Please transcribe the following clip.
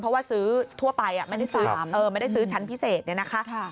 เพราะหรือซื้อทั่วไปไม่ได้ซื้อชั้นพิเศษเนี่ยค่า